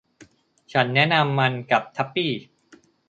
ฉันแนะนำมันกับทับปี้